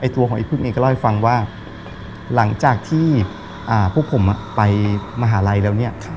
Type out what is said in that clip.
ตัวของไอ้พึ่งเองก็เล่าให้ฟังว่าหลังจากที่พวกผมไปมหาลัยแล้วเนี่ย